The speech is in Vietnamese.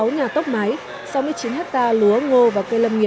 bảy mươi sáu nhà tốc máy